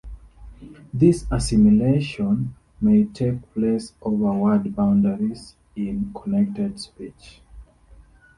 This assimilation may take place over word boundaries in connected speech.